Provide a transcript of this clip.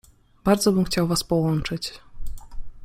Bardzo bym chciał was połączyć.